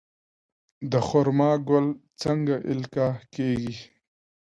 د خرما ګل څنګه القاح کیږي؟